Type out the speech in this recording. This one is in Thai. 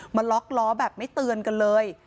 มาล็อกล้อแบบไม่เตือนกันเลย